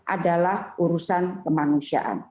adalah urusan kemanusiaan